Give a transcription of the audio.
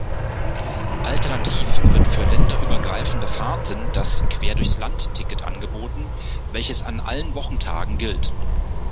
Alternativ wird für länderübergreifende Fahrten das Quer-durchs-Land-Ticket angeboten, welches an allen Wochentagen gilt.